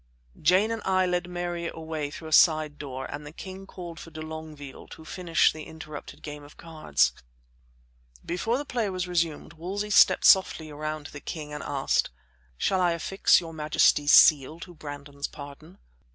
Jane and I led Mary away through a side door and the king called for de Longueville to finish the interrupted game of cards. Before the play was resumed Wolsey stepped softly around to the king and asked: "Shall I affix your majesty's seal to Brandon's pardon?"